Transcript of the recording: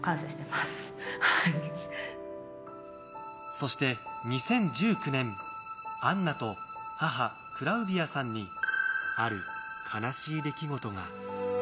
そして２０１９年アンナと母クラウディアさんにある悲しい出来事が。